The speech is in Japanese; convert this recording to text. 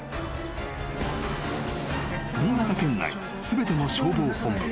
［新潟県内全ての消防本部。